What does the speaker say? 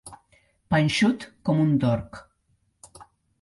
Panxut com un dorc.